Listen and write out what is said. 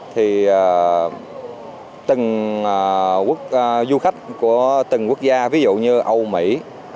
thì từng du khách của từng quốc gia ví dụ như âu mỹ